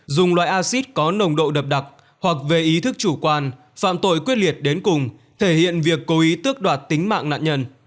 dùng loại acid có nồng độ độc đặc hoặc về ý thức chủ quan phạm tội quyết liệt đến cùng thể hiện việc cố ý tước đoạt tính mạng nạn nhân